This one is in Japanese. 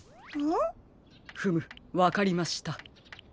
んっ？フムわかりました。